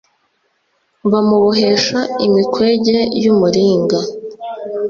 bamubohesha imikwege y'umuringa